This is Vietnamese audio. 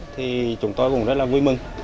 thì chúng tôi cũng rất là vui mừng